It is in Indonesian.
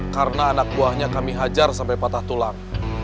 karena anak buahnya kami hajar sampai patah tulang